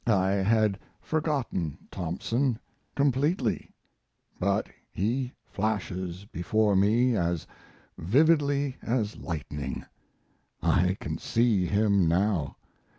I had forgotten Thompson completely, but he flashes before me as vividly as lightning. I can see him now.